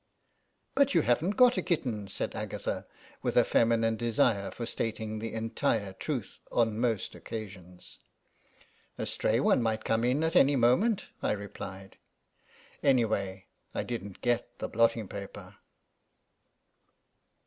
'*But you haven't got a kitten," said Agatha, with a feminine desire for stating the entire truth on most occasions. "A stray one might come in at any moment," I replied. Anyway, I didn't get the blotting paper.